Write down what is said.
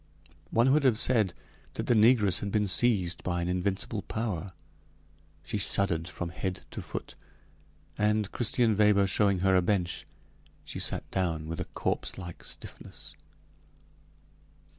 One would have said that the negress had been seized by an invincible power. She shuddered from head to foot, and Christian Weber showing her a bench, she sat down with a corpse like stiffness.